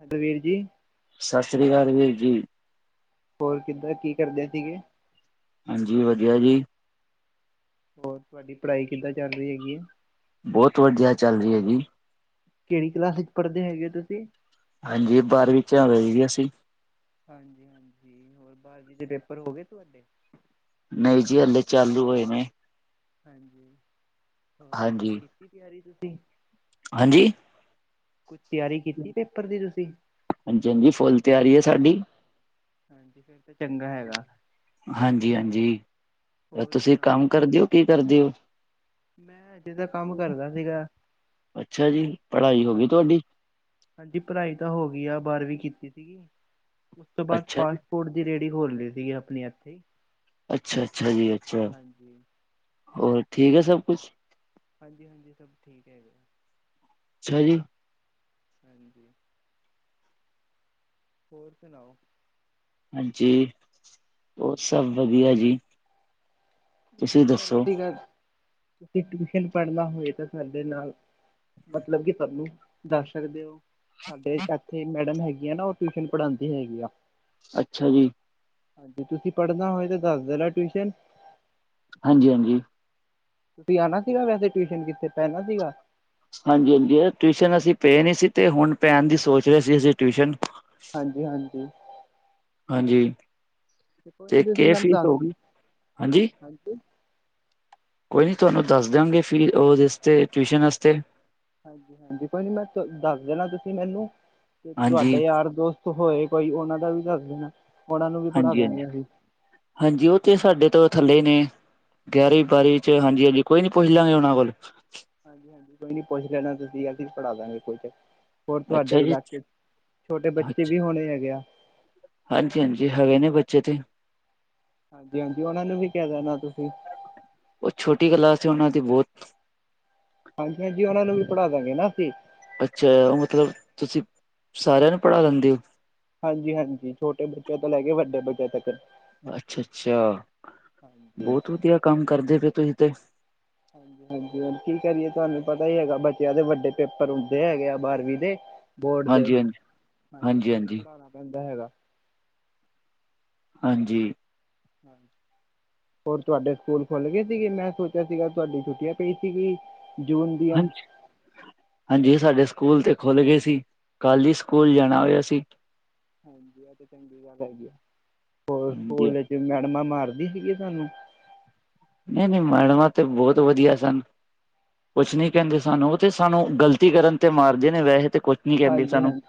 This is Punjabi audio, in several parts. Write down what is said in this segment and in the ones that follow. ਹੈਲੋ ਵੀਰ ਜੀ- ਸਾਸ ਸ੍ਰੀ ਕਾਲ ਵੀਰ ਜੀ। ਹੋਰ ਕਿੱਦਾਂ ਕੀ ਕਰਦੇ ਸੀਗੇ? ਹਾਂਜੀ ਵਧੀਆ ਜੀ। ਹੋਰ ਤੁਆਡੀ ਪੜ੍ਹਾਈ ਕਿੱਦਾਂ ਚੱਲ ਰੀ ਹੈਗੀ ਏ? ਬੋਤ ਵਧੀਆ ਚੱਲ ਰੀ ਹੈਗੀ। ਕੇੜੀ ਕਲਾਸ ਚ ਪੜ੍ਹਦੇ ਹੈਗੇ ਓ ਤੁਸੀਂ? ਹਾਂਜੀ ਬਾਰਵੀ ਚ, ਆ ਵਈ ਅਸੀਂ- ਹਾਂਜੀ-ਹਾਂਜੀ ਹੋਰ ਬਾਰਵੀਂ ਦੇ ਪੇਪਰ ਹੋ ਗਏ ਤੁਆਡੇ ਨਈ ਜੀ ਹਲੇ ਚਾਲੂ ਹੋਏ ਨੇ। ਹਾਂਜੀ ਹੋਰ ਕੁਝ ਹਾਂਜੀ ਕੀਤੀ ਤਿਆਰੀ ਤੁਸੀਂ ਹਾਂਜੀ ਕੁਛ ਤਿਆਰੀ ਕੀਤੀ ਪੇਪਰ ਦੀ ਤੁਸੀਂ? ਹਾਂਜੀ-ਹਾਂਜੀ ਫੁੱਲ ਤਿਆਰੀ ਏ ਸਾਡੀ। ਹਾਂਜੀ ਫਿਰ ਤੇ ਚੰਗਾ ਹੈਗਾ। ਹਾਂਜੀ-ਹਾਂਜੀ ਹੋਰ ਤੁਸੀਂ ਸੁਣਾਓ ਕੰਮ ਕਰਦੇ ਕਰ ਓ ਕੀ ਕਰਦੇ ਓ? ਮੈਂ ਹਜੇ ਦਾ ਕੰਮ ਕਰਦਾ ਸੀਗਾ, ਅੱਛਾ ਜੀ ਪੜ੍ਹਾਈ ਹੋ ਗਈ ਹਾਂਜੀ। ਤੁਹਾਡੀ ਹਾਂਜੀ ਪੜ੍ਹਾਈ ਤਾਂ ਹੋ ਗਈ ਆ। ਬਾਰਵੀਂ ਕੀਤੀ ਸੀਗੀ ਉਸ ਤੋਂ ਬਾਅਦ ਅੱਛਾ ਪਾੜ ਜੀ ਫੂਡ ਦੀ ਰੇੜੀ ਖੋਲ ਲਈ ਦੀ ਆਪਣੇ ਏਥੇ ਅੱਛਾ, ਅੱਛਾ ਜੀ। ਅੱਛਾ, ਹਾਂਜੀ ਹੋਰ ਠੀਕ ਹੈ। ਸਭ ਕੁਛ ਹਾਂਜੀ, ਹਾਂਜੀ। ਸਭ ਠੀਕ ਹੈਗੇ। ਅੱਛਾ ਜੀ। ਹਾਂਜੀ। ਹੋਰ ਸਨਾਓ। ਹਾਂਜੀ, ਹੋਰ ਸਭ ਵਧੀਆ ਜੀ। ਤੁਸੀਂ ਮੈਂ ਕਹਿ ਰ ਦੱਸੋ ਸੀ ਗੱਲ ਤੁਸੀਂ ਟਿਊਸ਼ਨ ਪੜ੍ਹਨਾ ਹੋਵੇ ਤਾਂ ਸਾਡੇ ਨਾਲ ਮਤਲਬ ਕਿ ਪਹਿਲਾ ਦੱਸ ਸਕਦੇ ਓ। ਸਾਡੇ ਇਕ ਐਥੇ ਮੈਡਮ ਹੈਗੀ ਆ ਨਾ, ਉਹ ਟਿਊਸ਼ਨ ਪੜ੍ਹਾਉਂਦੀ ਹੈਗੀ ਆ। ਅੱਛਾ ਜੀ। ਤੁਸੀਂ ਪੜਨਾ ਹੋਏ ਤੇ ਦੱਸ ਦੇਣਾ ਟਿਊਸ਼ਨ ਹਾਂਜੀ, ਹਾਂਜੀ। ਤੁਸੀਂ ਆਣਾ ਸੀਗਾ ਵੈਸੇ ਟਿਊਸ਼ਨ ਕਿਤੇ ਪੈਨਾ ਸੀਗਾ। ਹਾਂਜੀ, ਹਾਂਜੀ। ਟਿਊਸ਼ਨ ਅਸੀਂ ਪਏ ਨੀ ਸੀ ਤੇ ਹੁਣ ਪੈਣ ਦੀ ਸੋਚ ਰਹੇ ਸੀ। ਅਸੀਂ ਟਿਊਸ਼ਨ ਹਾਂਜੀ, ਹਾਂਜੀ। ਹਾਂਜੀ ਕੋਈ ਨੀ ਤੇ ਤੁਸੀਂ ਕੇ ਮੈਨੂੰ ਫੀਸ ਦੱਸ ਹੋਗੀ। ਹਾਂਜੀ ਕੋਈ ਨੀ ਤੁਹਾਨੂੰ ਦੱਸ ਦ‌ਆਂਗੇ ਫੀਸ ਓ ਦੇ ਵਾਸਤੇ ਟਿਊਸ਼ਨ ਵਾਸਤੇ ਹਾਂਜੀ-ਹਾਂਜੀ ਕੋਈ ਨੀ ਮੈਂ ਦੱਸ ਦੇਣਾ ਤੁਸੀਂ ਮੈਨੂੰ ਤੇ ਹਾਂਜੀ ਤੁਹਾਡੇ ਯਾਰ ਦੋਸਤ ਹੋਏ ਕੋਈ ਓਨਾਂ ਦਾ ਵੀ ਦੱਸ ਦੇਣਾ। ਓਨਾਂ ਨੂੰ ਵੀ ਹਾਂਜੀ ਹਾਂਜੀ ਪੜਾਦਗੇ ਅਸੀਂ ਹਾਂਜੀ। ਓ ਤੇ ਸਾਡੇ ਤੋਂ ਥੱਲੇ ਨੇ ਗਿਆਰੀ ਬਾਰੀ ਹਾਂਜੀ-ਹਾਂਜੀ। ਕੋਈ ਨੀ ਪੁੱਛ ਲਾਂਗੇ ਓਨਾਂ ਕੋਲ ਹਾਂਜੀ-ਹਾਂਜੀ। ਕੋਈ ਨੀ ਪੁੱਛ ਲੈਣਾ ਤੁਸੀਂ, ਅਸੀ ਪੜਾ ਦਾਂਗੇ ਕੁ ਚ ਹੋਰ ਅੱਛਾ ਤੁਹਾਡੇ ਜੀ ਇਲਾਕੇ ਚ ਛੋਟੇ ਬੱਚੇ ਅੱਛਾ ਵੀ ਹੋਨੇ ਹੈਗੇ ਆ। ਹਾਂਜੀ, ਹਾਂਜੀ--ਹੈਗੇ ਨੇ ਬੱਚੇ ਤੇ ਹਾਂਜੀ, ਹਾਂਜੀ--ਓਨਾਂ ਨੂੰ ਵੀ ਕੈ ਦੇਣਾ ਤੁਸੀਂ ਓ ਛੋਟੀ ਗਲਾ ਸੇ ਓਨਾਂ ਦੀ ਬੋਤ ਹਾਂਜੀ, ਹਾਂਜੀ। ਓਨਾਂ ਨੂੰ ਵੀ ਪੜਾ ਦਾਂਗੇ ਨਾ ਅਸੀਂ ਅੱਛਾ। ਓ ਮਤਲਬ ਤੁਸੀਂ ਸਾਰਿਆਂ ਨੂੰ ਪੜਾ ਲੈਂਦੇ ਓ। ਹਾਂਜੀ, ਹਾਂਜੀ। ਛੋਟੇ ਬੱਚਿਆਂ ਤੋਂ ਲੈ ਕੇ ਵੱਡੇ ਬੱਚਿਆਂ ਤੱਕਰ। ਅੱਛਾ, ਅੱਛਾ ਬੋਤ ਵਧੀਆ ਕੰਮ ਕਰਦੇ ਪੇ ਤੁੂੰਹੀ ਤੇ ਹਾਂਜੀ, ਹਾਂਜੀ ਕੀ ਕਰੀਏ! ਤੁਹਾਨੂੰ ਪਤਾ ਹੀ ਹੈਗਾ ਬੱਚਿਆਂ ਦੇ ਵੱਡੇ ਪੇਪਰ ਹੁੰਦੇ ਹੈਗੇ ਆ ਬਾਰਵੀਂ ਦੇ ਬੋਰਡ ਦੇ ਹਾਂਜੀ ਹਾਂਜੀ ਹਾਂਜੀ ਤੇ ਫੇਰ ਪੜਾਣਾ ਪੈਂਦਾ ਹੈਗਾ। ਹਾਂਜੀ। ਹਾਂ। ਹੋਰ ਤੁਹਾਡੇ ਸਕੂਲ ਖੁੱਲ ਗੇ ਸੀਗੇ। ਮੈਂ ਸੋਚਿਆ ਸੀਗਾ ਤੁਹਾਡੀ ਛੁੱਟੀਆਂ ਪਈ ਸੀਗੀ। ਜੂਨ ਦੀ ਹਾਂਜੀ। ਹਾਂਜੀ, ਸਾਡੇ ਸਕੂਲ ਤੇ ਖੁੱਲ ਗੇ ਸੀ। ਕੱਲ ਈ ਸਕੂਲ ਜਾਣਾ ਹੋਇਆ ਸੀ। ਹਾਂਜੀ, ਆ ਤੇ ਚੰਡੀਗੜ ਹੈਗੀ ਆ। ਹਾਂਜੀ। ਤੇ ਮੈਡਮਾਂ ਮਾਰਦੀ ਸੀਗੀ ਸਾਨੂੰ ਨ‌ਈ, ਨ‌ਈ। ਮੈਡਮਾਂ ਤਾਂ ਬੌਤ ਵਧੀਆ ਸਨ। ਕੁਛ ਨੀ ਕਹਿੰਦੇ ਸਾਨੂੰ, ਉਹ ਤੇ ਸਾਨੂੰ ਗਲਤੀ ਕਰਨ ਤੇ ਮਾਰਦੇ ਨੇ ਵੈਹੇ ਤੇ ਕੁਛ ਨੀ ਕਹਿੰਦੇ ਹਾਂਜੀ ਸਾਨੂੰ, ਹਾਂਜੀ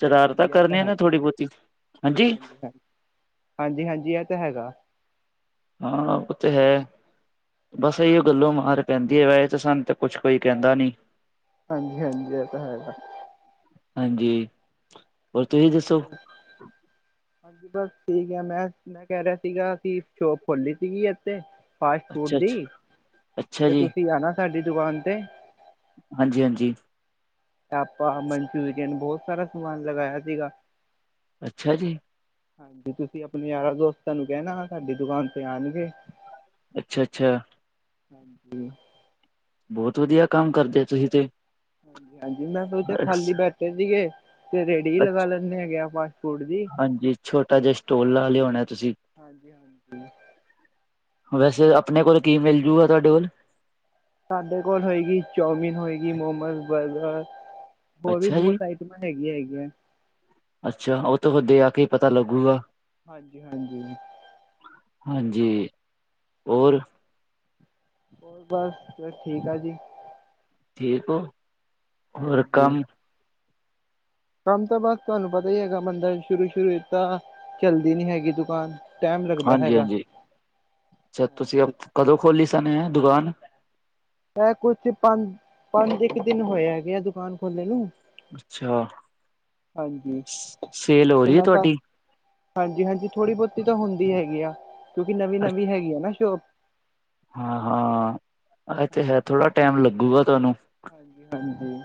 ਸ਼ਰਾਰਤਾਂ ਹਾਂਜੀ ਇਹ ਤਾਂ ਕਰਨੀਆਂ ਨੇ ਹੈਗਾ ਥੋੜੀ-ਬਹੁਤੀ ਹਾਂਜੀ ਹਾਂਜੀ ਹਾਂਜੀ ਇਹ ਤਾਂ ਹੈਗਾ। ਹਾਂ ਓ ਤੇ ਹੈ। ਬਸ ਇਹੀਓ ਗੱਲੋਂ ਮਾਰ ਪੈਂਦੀ ਵੈ ਸਾਨੂੰ ਤੇ ਕੁਛ ਕੋਈ ਕਹਿੰਦਾ ਨੀ। ਹਾਂਜੀ ਹਾਂਜੀ ਇਹ ਤਾਂ ਹੈ। ਹਾਂਜੀ ਹੋਰ ਤੁਸੀਂ ਹੋਰ [inaudible] ਹਾਂਜੀ ਬਸ ਠੀਕ ਐ, ਮੈਂ ਮੈਂ ਕਹਿ ਰਿਹਾ ਸੀਗਾ ਕਿ ਸ਼ੋਪ ਖੋੱਲੀ ਸੀਗੀ ਇੱਥੇ ਫਾਸਟ ਫੂਡ ਅੱਛਾ ਅੱਛਾ ਦੀ, ਅੱਛਾ ਤੇ ਜੀ ਤੁਸੀਂ ਆਣਾ ਸਾਡੀ ਦੁਕਾਨ ਤੇ ਹਾਂਜੀ ਹਾਂਜੀ ਟਾਪਾ ਮਨਚੂਰੀਅਨ ਬਹੁਤ ਸਾਰਾ ਸਮਾਨ ਲਗਾਇਆ ਸੀਗਾ। ਅੱਛਾ ਜੀ ਹਾਂਜੀ ਤੁਸੀਂ ਆਪਣੇ ਯਾਰਾਂ ਦੋਸਤਾਂ ਨੂੰ ਕਹਿਣਾ ਸਾਡੀ ਦੁਕਾਨ ਤੇ ਆਣਗੇ। ਅੱਛਾ ਅੱਛਾ ਹਾਂਜੀ ਬਹੁਤ ਵਧੀਆ ਕੰਮ ਕਰਦੇ ਤੁਹੀ ਤੇ ਹਾਂਜੀ ਹਾਂਜੀ, ਮੈਂ ਸੋਚਿਆ ਖਾਲੀ ਅੱਛਾ, ਬੈਠੇ ਸੀਗੇ ਤੇ ਰੇੜੀ ਹੀ ਲਗਾ ਲੈਂਦੇ ਹੈਗੇ ਆ ਫਾਸਟ ਫੂਡ ਦੀ ਹਾਂਜੀ ਛੋਟਾ ਜਿਹਾ ਸਟੋਲ ਲਾ ਲਿਆ ਹੋਣਾ ਤੁਸੀਂ ਹਾਂਜੀ ਹਾਂਜੀ ਵੈਸੇ ਆਪਣੇ ਕੋਲ ਕੀ ਮਿਲ ਜੂਗਾ ਤੁਹਾਡੇ ਕੋਲ ਸਾਡੇ ਕੋਲ ਹੋਏਗੀ ਚੋਮਿਨ ਹੋਏਗੀ ਮੋਮੋਸ, ਬਰਗਰ ਹੋਰ ਵੀ ਅੱਛਾ ਜੀ ਬਹੁਤ ਆਈਟਮਾਂ ਹੈਗੀਆਂ ਹੈਗੀਆਂ। ਅੱਛਾ ਉਹ ਤੋਂ ਹੋੱਦੇ ਆ ਕੇ ਪਤਾ ਲੱਗੂਗਾ। ਹਾਂਜੀ ਹਾਂਜੀ ਹਾਂਜੀ ਹੋਰ ਹੋਰ ਬਸ ਬਸ ਠੀਕ ਠਾਕ ਜੀ। ਠੀਕ ਐ, ਹੋਰ ਹਾਂਜੀ ਕੰਮ ਕੰਮ ਤਾਂ ਬਸ ਤੁਹਾਨੂੰ ਪਤਾ ਈ ਹੈਗਾ ਬੰਦਾ ਸ਼ੁਰੂ ਸ਼ੁਰੂ ਤਾਂ ਚੱਲਦੀ ਨੀ ਹੈਗੀ ਦੁਕਾਨ ਟਾਈਮ ਲੱਗਦਾ ਹਾਂਜੀ ਹੈਗਾ ਹਾਂਜੀ ਅੱਛਾ ਤੁਸੀਂ ਕਦੋਂ ਖੋਲੀ ਸਨ ਏ ਇਹ ਦੁਕਾਨ। ਇਹ ਕੁਛ ਪੰਜ ਪੰਜ ਇੱਕ ਦਿਨ ਹੋਏ ਹੈਗੇ ਐ ਦੁਕਾਨ ਖੋਲੇ ਨੂੰ ਅੱਛਾ, ਹਾਂਜੀ ਸੇਲ ਹੋ ਰੀ ਏ ਕਿੰਨਾ ਸ ਤੁਹਾਡੀ। ਹਾਂਜੀ, ਹਾਂਜੀ। ਥੋੜੀ ਬੋਤੀ ਤਾਂ ਹੁੰਦੀ ਹੈਗੀ ਆ ਕਿਉਂਕਿ ਨਵੀਂ- ਨਵੀਂ ਹੈਗੀ ਆ ਨਾ ਸ਼ੋਪ। ਹਾਂ-ਹਾਂ, ਇਹ ਤੇ ਹੈ ਹਾਂਜੀ ਥੋੜਾ ਟਾਈਮ ਲੱਗੂਗਾ ਤੁਹਾਨੂੰ। ਹਾਂਜੀ, ਹਾਂਜੀ।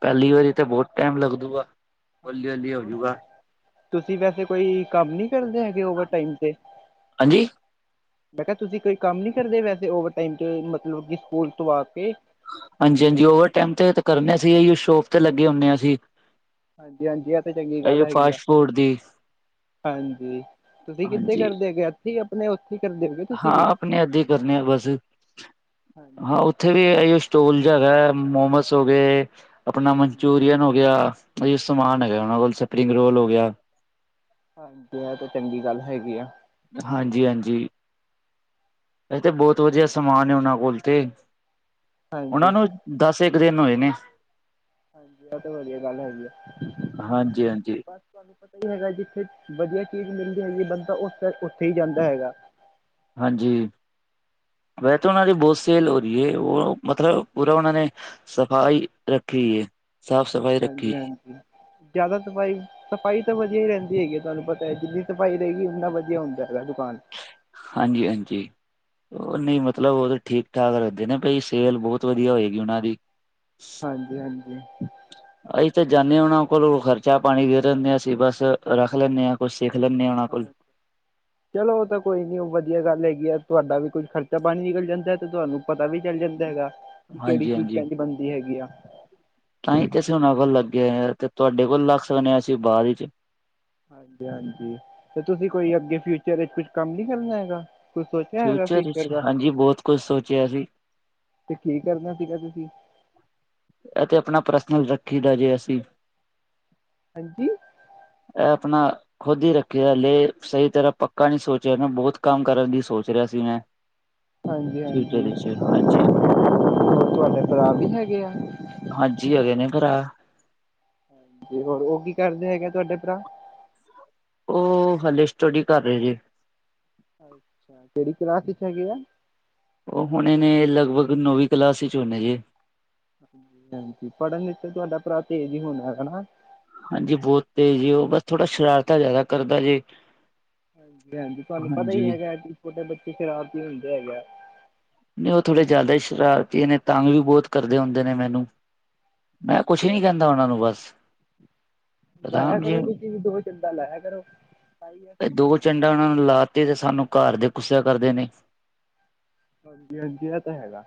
ਪੈਲੀ ਵਾਰੀ ਤਾਂ ਬਹੁਤ ਟਾਈਮ ਲੱਗਦੂਗਾ। ਹੌਲੀ - ਹੌਲੀ ਹਾਂਜੀ ਹੋਰ ਹੋਜੂਗਾ। ਤੁਸੀਂ ਵੈਸੇ ਕੋਈ ਕੰਮ ਨੀ ਕਰਦੇ ਹੈਗੇ ਓਵਰ ਟਾਈਮ ਤੇ। ਹਾਂਜੀ। ਮੈਂ ਕਿਹਾ ਤੁਸੀਂ ਕੋਈ ਕੰਮ ਨੀ ਕਰਦੇ ਵੈਸੇ ਓਵਰਾਈਮ ਮਤਲਬ ਕਿ ਸਕੂਲ ਤੋਂ ਆ ਕੇ। ਹਾਂਜੀ, ਹਾਂਜੀ ਓਵਰਟਾਈਮ ਤੇ ਕਰਨੇ ਆ ਸ਼ੋਪ ਤੇ ਲੱਗੇ ਹੁੰਨੇ ਆ ਅਸੀ। ਹਾਂਜੀ, ਹਾਂਜੀ। ਇਹ ਤੇ ਚੰਗੀ ਗੱਲ ਹੈਗੀ ਆ। ਫਾਸਟ ਫੂਡ ਦੀ ਹਾਂਜੀ, ਤੁਸੀਂ ਕਿੱਥੇ ਹਾਂਜੀ ਕਰਦੇ ਹੈਗੇ ਇੱਥੇ ਤਾਂ ਆਪਣੇ ਕੀ ਕਰਦੇ ਹੈਗੇ? ਹਾਂ, ਆਪਣੇ ਇੱਦੇ ਈ ਕਰਨੇ ਆ ਬਸ ਹਾਂ। ਹਾਂਜੀ ਉੱਥੇ ਵੀ ਇਹੀਓ ਸਟੋਲ ਜਿਹਾ ਹੈਗੈ ਮੋਮਸ ਹੋ ਗਏ, ਆਪਣਾ ਹਾਂਜੀ ਮਨਚੂਰੀਅਨ ਇਹੀਓ ਸਮਾਨ ਹੈਗੈ ਉਹਨਾਂ ਕੋਲ ਸਪਰਿੰਗ ਰੋਲ ਹੋ ਗਿਆ। ਹਾਂਜੀ, ਇਹ ਤੇ ਚੰਗੀ ਗੱਲ ਹੈਗੀ ਆ। ਹਾਂਜੀ, ਹਾਂਜੀ। ਇਹ ਤੇ ਬਹੁਤ ਵਧੀਆ ਸਮਾਨ ਏ ਉਹਨਾਂ ਕੋਲ ਤੇ। ਹਾਂਜੀ ਓਨਾਂ ਨੂੰ ਦਸ ਇੱਕ ਦਿਨ ਹੋਏ ਨੇ। ਹਾਂਜੀ, ਏਹ ਤੇ ਵਧੀਆ ਗੱਲ ਹੈਗੀ ਅ। ਹਾਂਜੀ ਹਾਂਜੀ ਤੁਹਾਨੂੰ ਪਤਾ ਹੀ ਹੈਗਾ ਜਿੱਥੇ ਵਧੀਆ ਚੀਜ਼ ਮਿਲਦੀ ਹੈਗੀ ਹੈ, ਬੰਦਾ ਉਸ ਸਾਈਡ ਉੱਥੇ ਹੀ ਜਾਂਦਾ ਹੈਗਾ। ਹਾਂਜੀ, ਵੈਸੇ ਤਾਂ ਓਨਾਂ ਦੀ ਬੋਤ ਸ ਲ ਹੋ ਰਹੀ ਏ। ਉਹ ਮਤਲਬ ਪੂਰਾ ਉਹਨਾਂ ਨੇ ਸਫ਼ਾਈ ਰੱਖੀ ਏ। ਸਾਫ਼ ਸਫ਼ਾਈ ਹਾਂਜੀ, ਹਾਂਜੀ। ਜ਼ਿਆਦਾ ਸਫ਼ਾਈ। ਸਫ਼ਾਈ ਤਾਂ ਵਧੀਆ ਹੀ ਰਹਿੰਦੀ ਹੈਗੀ ਹੈ ਤੁਹਾਨੂੰ ਪਤਾ ਹੈ ਜਿੰਨੀ ਸਫ਼ਾਈ ਰਹੇਗੀ ਉੰਨਾ ਵਧੀਆ ਹੁੰਦਾ ਹੈਗਾ ਦੁਕਾਨ। ਹਾਂਜੀ, ਹਾਂਜੀ। ਉਹ ਨਹੀਂ ਮਤਲਬ ਉਹ ਤੇ ਠੀਕ ਠਾਕ ਰੱਖਦੇ ਨੇ ਭਾਈ ਸੇਲ ਬਹੁਤ ਵਧੀਆ ਹੋਏਗੀ ਉਹਨਾਂ ਦੀ। ਹਾਂਜੀ, ਹਾਂਜੀ। ਅਸੀਂ ਤਾਂ ਜਾਂਨੇ ਓਨਾਂ ਕੋਲੌ ਖਰਚਾ ਪਾਨੀ ਦੇ ਦਿਨੇ ਆ। ਅਸੀਂ ਬਸ ਰੱਖ ਲੈਂਨੇ ਆ। ਕੁਛ ਸਿੱਖ ਲੈਂਦੇ ਆ ਓਨਾ ਹਾਂ ਕੋਲੌ। ਚਲੋ ਉਹ ਤਾਂ ਕੋਈ ਨੀ ਵਧੀਆ ਗੱਲ ਹੈਗੀ ਆ। ਤੁਹਾਡਾ ਵੀ ਕੁੱਝ ਖਰਚਾ ਪਾਨੀ ਨਿਕਲ ਜਾਂਦਾ ਤੇ ਤੁਹਾਨੂੰ ਪਤਾ ਵੀ ਚੱਲ ਜਾਂਦਾ ਹੈਗਾ ਕਿ ਕੇੜੀ ਹਾਂਜੀ ਚੀਜ਼ ਹਾਂਜੀ ਕਿੰਝ ਬਨਦੀ ਹੈਗੀ ਆ। ਤਾਂ ਹੀ ਤੇ ਅਸੀਂ ਓਨਾ ਕੋਲ ਲੱਗੇ ਹੋਏ ਆ ਤੇ ਤੁਹਾਡੇ ਕੋਲ ਲੱਗ ਸਕਨੇ ਆ ਅਸੀਂ ਬਾਅਦ ਚ। ਹਾਂਜੀ, ਹਾਂਜੀ ਤੇ ਤੁਸੀਂ ਕੋਈ ਅੱਗੇ ਫਿਊਚਰ ਵਿੱਚ ਕੁਛ ਕੰਮ ਨੀ ਕਰਨਾ ਹੈਗਾ। ਕੁਛ ਸੋਚਿਆ ਹੈਗਾ ਫਿਊਚਰ ਵਿੱਚ। ਦਾ ਹਾਂਜੀ, ਬਹੁਤ ਕੁਛ ਸੋਚਿਆ ਜੀ। ਤੇ ਕੀ ਕਰਨਾ ਸੀਗਾ ਤੁਸੀਂ। ਅ ਤੇ ਆਪਣਾ ਪਰਸਨਲ ਰੱਖੀ ਦਾ ਜੇ ਅਸੀਂ। ਹਾਂਜੀ। ਐ ਆਪਣਾ ਖੁੱਦ ਹੀ ਰੱਖੇ ਦਾ ਹਲੇ ਸਹੀ ਤਰ੍ਹਾਂ ਪੱਕਾ ਨ ਸੋਚ ਰਿਹਾ ਮ ਬਹੁਤ ਕੰਮ ਕਰਨ ਦੀ ਸੋਚ ਰਿਹਾ ਸੀ ਮੈਂ। ਹਾਂਜੀ, ਫਿਊਚਰ ਹਾਂਜੀ। ਵਿੱਚ ਹਾਂਜੀ ਤੁਹਾਡੇ ਭਰਾ ਵੀ ਹੈਗੇ ਐ। ਹਾਂਜੀ, ਹਗੇ ਨੇ ਭਰਾ। ਹਾਂਜੀ, ਹੋਰ ਉਹ ਕੀ ਕਰਦੇ ਹੈਗੇ ਤੁਹਾਡੇ ਭਰਾ? ਓਹ ਹਲੇ ਸਟਡੀ ਕਰ ਰਹੇ ਜੇ। ਅੱਛਾ ਕੇੜੀ ਕਲਾਸ ਈਚ ਹੈਗੇ ਆ? ਓਹ ਹੁਨੇ ਨੇ ਲਗਭਗ ਨੌਵੀਂ ਕਲਾਸ ਵਿਚ ਹੂੰਨੇ ਜੇ। ਹਾਂਜੀ, ਹਾਂਜੀ। ਪੜ੍ਹਨ ਵਿੱਚ ਤੁਹਾਡਾ ਭਰਾ ਤੇਜ਼ ਹੀ ਹੋਨਾ ਹਨਾ। ਹਾਂਜੀ, ਬਹੁਤ ਤੇਜ਼ ਜੇ ਉਹ ਬਸ ਥੋੜਾ ਸ਼ਰਾਰਤਾ ਜ਼ਿਆਦਾ ਕਰਦਾ ਜੇ। ਹਾਂਜੀ, ਹਾਂਜੀ ਤੁਆਨੂੰ ਪਤਾ ਈ ਹਾਂਜੀ ਹੈਗਾ ਕਿ ਛੋਟੇ ਬੱਚੇ ਸ਼ਰਾਰਤੀ ਹੁੰਦੇ ਹੈਗੇ ਆ ਨੀ ਉ ਥੋੜੇ ਜ਼ਾਦਾ ਈ ਸ਼ਰਾਰਤੀ ਨੇ ਤੰਗ ਵੀ ਬੋਤ ਕਰਦੇ ਹੁੰਦੇ ਨੇ ਮੈਨੂੰ ਮੈਂ ਕੁਛ ਨੀ ਕੇਂਦਾ ਉਨਾਂ ਨੂੰ ਬਸ ਲਾਯਾ ਰਾਮ ਜੀ ਕਰੋ ਤੁਸੀਂ ਵੀ ਦੋ ਚੰਡਾ ਲਾਯਾ ਕਰੋ ਤਾਈ ਏ ਸਿਧੇ ਦੋ ਹੋਣਗੇ ਚੰਡਾ ਉਹਨਾਂ ਨੂੰ ਲਾ ਤੇ ਸਾਨੂੰ ਘਰ ਦੇ ਗੁੱਸਾ ਕਰਦੇ ਨੇ ਹਾਂਜੀ, ਹਾਂਜੀ ਏ ਤੇ ਹੈਗਾ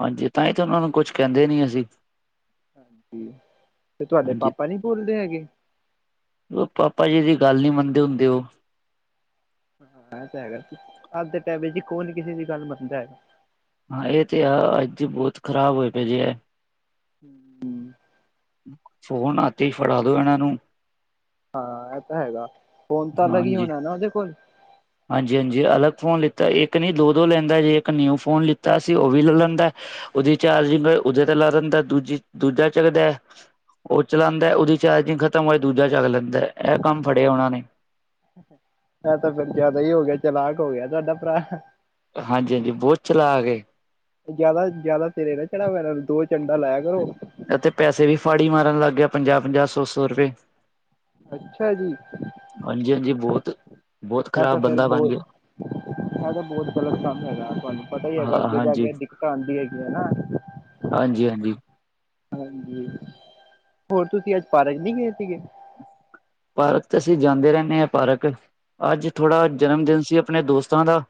ਹਾਂਜੀ ਤਾਂ ਈ ਤੇ ਉਨਾ ਨੂੰ ਕੁਛ ਕੇਂਦੇ ਨੀ ਅਸੀਂ ਹਾਂਜੀ ਤੇ ਤੁਆਡੇ ਹਾਂਜੀ ਪਾਪਾ ਨੀ ਬੋਲਦੇ ਹੈਗੇ ਲੋ ਪਾਪਾ ਜੀ ਦੀ ਗੱਲ ਨੀ ਮੰਨਦੇ ਹੁੰਦੇ ਉ ਹਾਂ ਏ ਤੇ ਹੈਗਾ, ਅੱਜ ਦੇ ਟਾਈਮ ਵਿੱਚ ਜੀ ਕੌਨ ਕਿਸੇ ਦੀ ਗੱਲ ਮੰਨਦਾ ਹੈਗਾ? ਹਾਂ ਏ ਤੇ ਆ ਅੱਜ ਬੋਤ ਖ਼ਰਾਬ ਹੋਏ ਪਏ ਜੇ ਏ। ਹੂੰ ਫੋਨ ਹੱਥ ਇਚ ਫੜਾ ਦੋ ਇਨਾਂ ਨੂੰ ਹਾਂ ਏ ਤਾਂ ਹੈਗਾ ਫੋਨ ਤਾਂ ਅਲੱਗ ਹੀ ਹਾਂਜੀ ਹੋਣਾ ਨਾ ਉਦੇ ਕੋਲ। ਹਾਂਜੀ-ਹਾਂਜੀ ਅਲੱਗ ਫ਼ੋਨ ਲਿੱਤਾ ਇੱਕ ਨੀ ਦੋ-ਦੋ ਲੈਂਦਾ ਜੇ ਇੱਕ ਨਿਊ ਫੋਨ ਲਿੱਤਾ ਸੀ ਉ ਵੀ ਲੈ ਲੈਂਦਾ। ਉਦੀ ਚਾਰਜਿੰਗ ਉਦੇ ਤੇ ਲਾ ਦਿੰਦਾ ਦੂਜੀ ਦੂਜਾ ਚੱਕਦਾ ਉ ਚਾਲਾਂਦਾ ਉਦੀ ਚਾਰਜਿੰਗ ਖ਼ਤਮ ਹੋਏ ਦੂਜਾ ਚੱਕ ਲੈਂਦਾ ਐ ਕੰਮ ਫੜਿਆ ਉਨਾਂ ਨੇ। ਏ ਤਾਂ ਫੇਰ ਜ਼ਾਦਾ ਈ ਹੋ ਗਿਆ ਚਲਾਕ ਹੋ ਗਿਆ ਤੁਆਡਾ ਪਰਾ। ਹਾਂਜੀ-ਹਾਂਜੀ ਬੋਤ ਚਲਾਕ ਏ। ਜ਼ਾਦਾ-ਜ਼ਾਦਾ ਸਿਰੇ ਨਾ ਚੜਾਔ ਏਨਾਂ ਨੂੰ ਦੋ ਚੰਡਾ ਲਾਇਆ ਕਰੋ। ਏ ਤੇ ਪੈਸੇ ਵੀ ਫਾੜੀ ਮਾਰਨ ਲੱਗ ਗਯਾ ਪੰਜਾ-ਪੰਜਾ, ਸੋਂ-ਸੋਂ ਰੁਪਏ। ਅੱਛਾ ਜੀ। ਹਾਂਜੀ-ਹਾਂਜੀ ਬੋਤ। ਏ ਤਾਂ ਫੇਰ ਬੋਤ ਏ ਤੇ ਬੋਤ ਗ਼ਲਤ ਕੰਮ ਹੈਗਾ ਤੁਆਨੂੰ ਪਤਾ ਈ ਹੈਗਾ ਹਾਂ ਅੱਗੇ ਜਾ ਹਾਂਜੀ ਕੇ ਦਿੱਕਤਾਂ ਆਂਦੀਆਂ ਹੈਗੀ ਏ ਨਾ। ਹਾਂਜੀ-ਹਾਂਜੀ। ਹਾਂਜੀ, ਹੋਰ ਤੁਸੀਂ ਅੱਜ ਪਾਰਕ ਨੀ ਗਏ ਸੀਗੇ? ਪਾਰਕ ਤੇ ਅਸੀਂ ਜਾਂਦੇ ਰੇਨੇ ਆ ਪਾਰਕ, ਅੱਜ ਥੋੜ੍ਹਾ ਅੱਛਾ ਜਨਮ ਦਿਨ ਸੀ ਅਪਨੇ ਦੋਸਤਾ ਦਾ।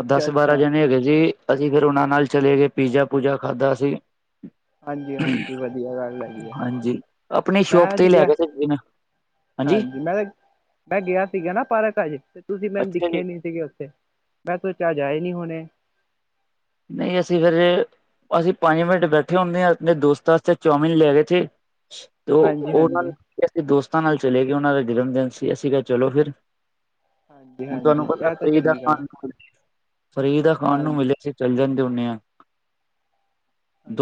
ਅੱਛਾ ਦਸ ਬਾਰਾਂ ਅੱਛਾ ਜਨੇ ਹੈਗੇ ਸੀ ਅਸੀਂ ਫੇਰ ਉਨਾਂ ਨਾਲ ਹਾਂਜੀ ਚਲੇ ਗਏ ਪੀਜ਼ਾ ਪੂਜਾ ਖਾਧਾ ਅਸੀ। ਹਾਂਜੀ ਹਾਂਜੀ ਵਧੀਆ ਗੱਲ ਹੈਗੀ ਆ ਹਾਂਜੀ, ਆਪਣੀ ਮੈਂ ਸ਼ੋਪ ਅੱਜ ਤੇ ਲੈ ਗਿਆ ਵੀ ਸਕਦੇ ਨੇ। [inaudible] ਹਾਂਜੀ ਮੈਂ-ਮੈਂ ਗਿਆ ਸੀਗਾ ਨਾ ਪਾਰਕ ਅੱਜ ਤੇ ਤੁਸੀਂ ਮੈਨੂੰ ਅੱਛਾ ਜੀ ਦਿਖੇ ਨੀ ਸੀਗੇ ਉੱਥੇ। ਮੈਂ ਸੋਚਾ ਅਜ ਆਏ ਨੀ ਹੋਨੇ। ਨਈ ਅਸੀਂ ਫੇਰ ਅਸੀਂ ਪੰਜ ਮਿੰਟ ਬੈਠੇ ਹੁੰਨੇ ਆ ਆਪਣੇ ਦੋਸਤਾ ਆਸਤੇ ਚੌਮਿਨ ਲੈ ਗਏ ਥੇ। ਤੇ ਓ ਹਾਂਜੀ ਉਨਾਂ ਹਾਂਜੀ ਅਸੀਂ ਦੋਸਤਾਂ ਨਾਲ ਚਲੇ ਗੇ ਉਨਾਂ ਦਾ ਜਨਮ ਦਿਨ ਸੀ ਅਸੀਂ ਕਿਯਾ ਚਲੋ ਫਿਰ। ਹਾਂਜੀ ਹੁਣ ਹਾਂਜੀ ਤੁਆਨੂੰ ਪਤਾ ਇਹ ਤਾਂ ਫ੍ਰੀ ਦਾ ਚੰਗੀ ਗੱਲ [unintelligible] ਫ੍ਰੀ ਦਾ ਖਾਨ ਨੂੰ ਮਿਲੇ ਤੇ ਚੱਲ ਜਾਂਦੇ ਹੁੰਨੇ ਆ।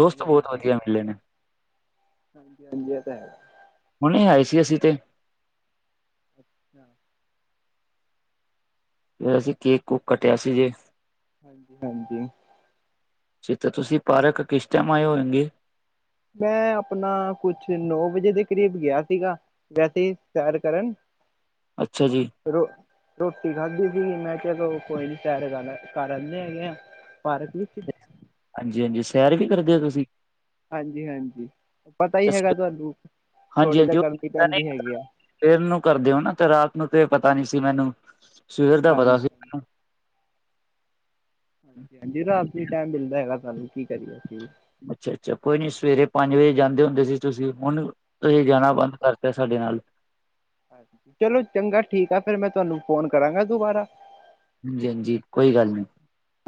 ਦੋਸਤ [unintelligible] ਹਾਂਜੀ-ਹਾਂਜੀ [unintelligible] ਤਾ ਹੈ। ਹੁਨੇ ਆਏ ਸੀ ਅਸੀਂ ਤੇ। ਅੱਛਾ। ਫ ਅਸੀਂ ਕੇਕ ਕੂਕ ਅ, ਕੱਟਿਆ ਸੀ ਜੇ ਹਾਂਜੀ-ਹਾਂਜੀ। ਫੇ ਤੇ ਤੁਸੀਂ ਪਾਰਕ ਕਿਸ ਟੇਮ ਆਏ ਹੋਏਗੇ? ਮੈਂ ਅਪਨਾ ਕੁਛ ਨੌ ਵਜੇ ਦੇ ਕਰੀਬ ਗਿਆ ਸੀਗਾ। ਵੈਸੇ ਈ ਸੇਰ ਕਰਨ। ਅੱਛਾ ਜੀ। ਰੋ ਰੋਟੀ ਖਾਧੀ ਸੀਗੀ ਮੈਂ ਕਯਾ ਚਲੋ ਕੋਈ ਨੀ ਸੇਰ ਕਰ, ਕਰ ਆਨੇ ਹੈਗੇ ਆ। ਪਾਰਕ ਵਿੱਚ। ਹਾਂਜੀ-ਹਾਂਜੀ ਸੈਰ ਵੀ ਕਰਦੇ ਔ ਤੁਸੀਂ? ਹਾਂਜੀ-ਹਾਂਜੀ ਪਤਾ ਹੀ ਹੈਗਾ ਤੁਹਾਨੂੰ ਥੋੜ੍ਹੀ ਤਾਂ ਹਾਂਜੀ-ਹਾਂਜੀ ਉਹ ਕਰਨੀ ਪਤਾ ਨੀ ਪੈਂਦੀ ਹੈਗੀ ਆ। ਸਵੇਰ ਨੂੰ ਕਰਦੇ ਔ ਨਾ ਤੇ ਰਾਤ ਨੂੰ ਤੇ ਪਤਾ ਨੀ ਸੀ ਮੈਨੂੰ ਸਵੇਰ ਦਾ ਹਾਂਜੀ ਪਤਾ ਸੀ। ਮੈਨੂੰ। ਹਾਂਜੀ-ਹਾਂਜੀ ਰਾਤ ਈ ਟੈਮ ਮਿਲਦਾ ਹੈਗਾ ਸਾਨੂੰ ਕੀ ਕਰੀਏ ਅਸੀ। ਅੱਛਾ ਅੱਛਾ ਕੋਈ ਨੀ ਸਵੇਰੇ ਪੰਜ ਵਜੇ ਜਾਂਦੇ ਹੁੰਦੇ ਸੀ ਤੁਸੀਂ ਹੁਣ ਤੁਸੀਂ ਜਾਣਾ ਬੰਦ ਹਾਂਜੀ ਕਰਤਾ ਸਾਡੇ ਨਾਲ ਚਲੋ ਚੰਗਾ ਠੀਕ ਆ ਫਿਰ ਮੈਂ ਤੁਹਾਨੂੰ ਫੋਨ ਕਰਾਂਗਾ ਦੁਬਾਰਾ ਹਾਂਜੀ ਹਾਂਜੀ ਕੋਈ ਗੱਲ ਨਹੀਂ-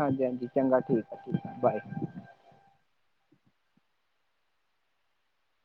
ਹਾਂਜੀ ਹਾਂਜੀ ਚੰਗਾ ਠੀਕ ਆ ਬਾਏ